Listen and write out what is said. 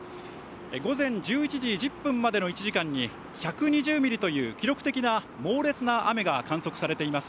午前１１時１０分までの１時間に１２０ミリという、記録的な猛烈な雨が観測されています。